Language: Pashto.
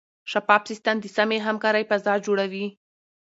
شفاف سیستم د سمې همکارۍ فضا جوړوي.